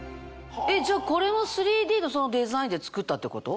じゃあこれも３Ｄのデザインで作ったってこと？